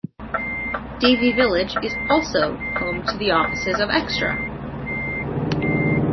Davie Village is also home to the offices of Xtra!